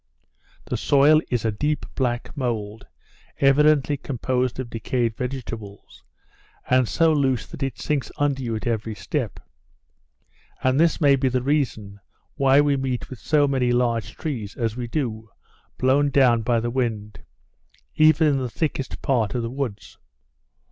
The soil is a deep black mould, evidently composed of decayed vegetables, and so loose that it sinks under you at every step; and this may be the reason why we meet with so many large trees as we do, blown down by the wind, even in the thickest part of the woods.